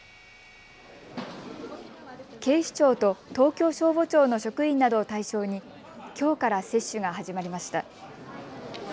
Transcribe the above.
警視庁と東京消防庁の職員などを対象にきょうから接種が始まりました。